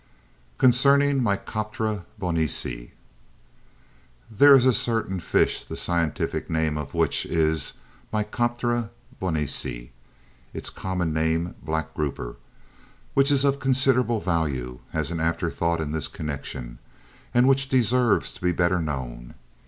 Concerning Mycteroperca Bonaci There is a certain fish, the scientific name of which is Mycteroperca Bonaci, its common name Black Grouper, which is of considerable value as an afterthought in this connection, and which deserves to be better known.